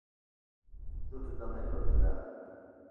Djeue ote ndeng edo djila?